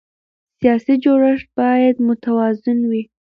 سیاسي جوړښت باید متوازن وي